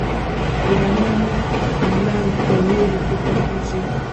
د غنمو لو په اوړي کې پیلیږي.